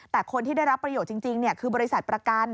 แต่คนที่ได้รับประโยชน์จริงคือบริษัทประกัน